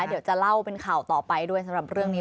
เดี๋ยวจะเล่าเป็นข่าวต่อไปด้วยสำหรับเรื่องนี้